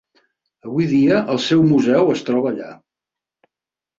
Avui dia el seu museu es troba allà.